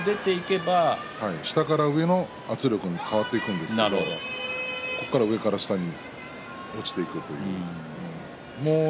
下から上の圧力に変わっていくんですが上から下に落ちていくという。